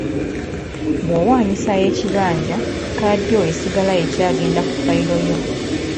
Bw'owaanyisa ekibanja, kkaadi yo esigala ekyagenda ku ffayiro yo.